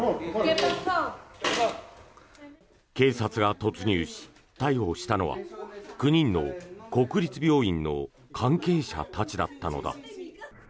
警察が突入し、逮捕したのは９人の国立病院の関係者たちだったのだ。